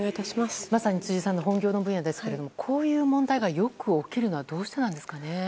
まさに辻さんの本業の分野ですけれどもこういう問題がよく起きるのはどうしてなんでしょうか。